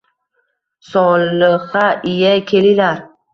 Solixa: iye, kelilar